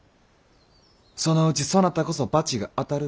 そのうちそなたこそ罰が当たるで。